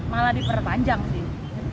malah diperpanjang sih